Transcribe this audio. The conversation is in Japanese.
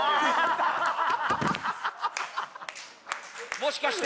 もしかして？